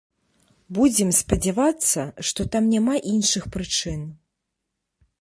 Будзем спадзявацца, што там няма іншых прычын.